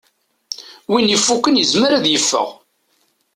Win ifukken yezmer ad yeffeɣ.